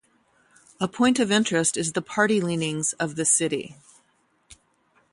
A point of interest is the party leanings of the city.